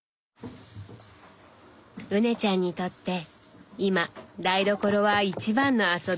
羽根ちゃんにとって今台所は一番の遊び場なんだね。